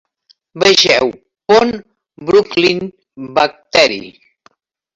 "Vegeu Pont Brooklyn-Battery".